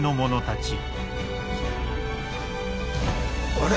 あれ？